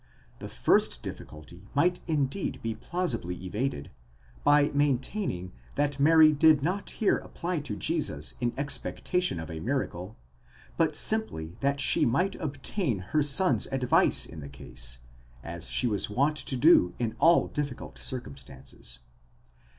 The first difficulty might indeed be plausibly evaded, by maintaining that Mary did not here apply to Jesus in expectation of a miracle, but simply that she might obtain her son's advice in the case, as she was wont to do in all diffi cult circumstances: 13.